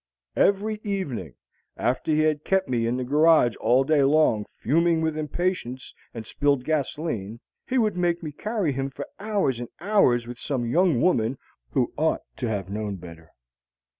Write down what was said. Every evening, after he had kept me in the garage all day long fuming with impatience and spilled gasolene, he would make me carry him for hours and hours with some young woman who ought to have known better.